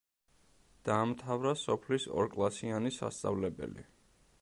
დაამთავრა სოფლის ორკლასიანი სასწავლებელი.